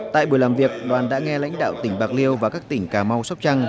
tại buổi làm việc đoàn đã nghe lãnh đạo tỉnh bạc liêu và các tỉnh cà mau sóc trăng